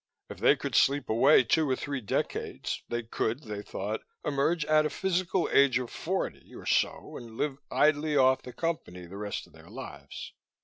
If they could sleep away two or three decades, they could, they thought, emerge at a physical age of forty or so and live idly off the Company the rest of their lives.